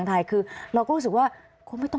สิ่งที่ประชาชนอยากจะฟัง